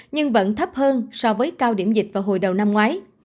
nhưng vẫn thấp hơn so với cao điểm dịch vào hồi đầu năm ngoái